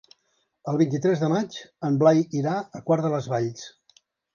El vint-i-tres de maig en Blai irà a Quart de les Valls.